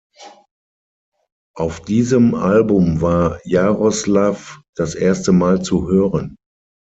Auf diesem Album war Jaroslaw das erst Mal zu hören.